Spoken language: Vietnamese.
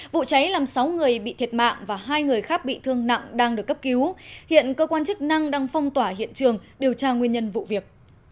vụ cháy làm sáu người bị thiệt mạng và hai người khác bị thương nặng đang được cấp cứu hiện cơ quan chức năng đang phong tỏa hiện trường điều tra nguyên nhân vụ việc